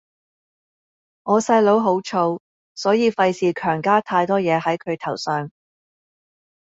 我細佬好燥，所以費事強加太多嘢係佢頭上